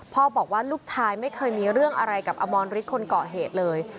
บอกว่าลูกชายไม่เคยมีเรื่องอะไรกับอมรฤทธิ์คนเกาะเหตุเลย